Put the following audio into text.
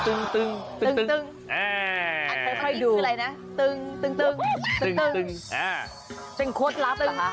อันนี้คืออะไรนะ